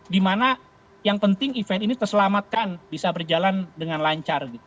di mana yang penting event ini terselamatkan bisa berjalan dengan lancar gitu